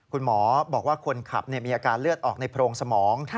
คุณหมอบอกว่าคนขับมีอาการเลือดออกในโพรงสมอง